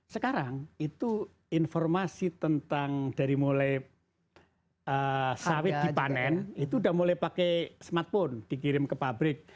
sekarang itu informasi tentang dari mulai sawit dipanen itu sudah mulai pakai smartphone dikirim ke pabrik